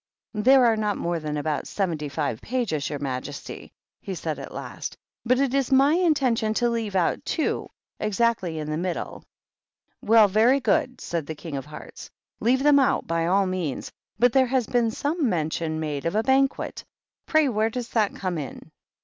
"There are not more than about seventy five pages, your majesty," he said, at last, " but it is my intention to leave out two, exactly in the middle." "Well, very good," said the King of Hearts. "Leave them out, by all means. But there has been some mention made of a Banquet; pray where does that come in?"